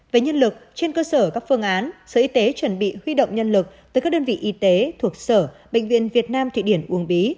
về nhân lực trên cơ sở các phương án sở y tế chuẩn bị huy động nhân lực tới các đơn vị y tế thuộc sở bệnh viện việt nam thụy điển uông bí